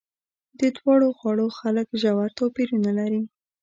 د دواړو غاړو خلک ژور توپیرونه لري.